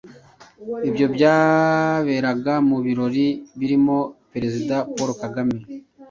Ibyo byarebaga mu birori birimo Perezida Paul Kagame,